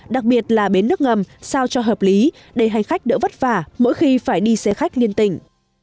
đặc biệt là bến nước ngầm sao cho hợp lý để hành khách đỡ vất vả mỗi khi phải đi xe khách liên tỉnh